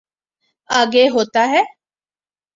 آگے ہوتا ہے۔